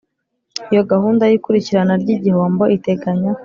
Iyo gahunda y ikurikirana ry igihombo iteganya